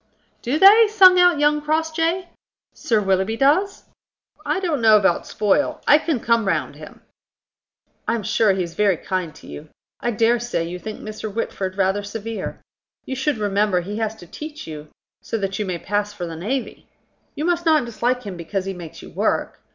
"Do they?" sung out young Crossjay. "Sir Willoughby does?" "I don't know about spoil. I can come round him." "I am sure he is very kind to you. I dare say you think Mr. Whitford rather severe. You should remember he has to teach you, so that you may pass for the navy. You must not dislike him because he makes you work.